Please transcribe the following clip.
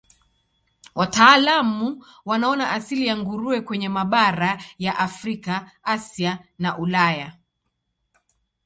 Wataalamu wanaona asili ya nguruwe kwenye mabara ya Afrika, Asia na Ulaya.